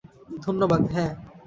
ধন্যবাদ, হ্যাঁ।